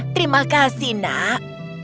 terima kasih nak